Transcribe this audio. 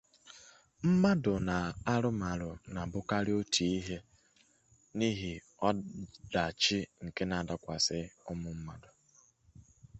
nke onye nọchitere anya ya na mmemme ahụ bụ odeakwụkwọ izugbe steeti Anambra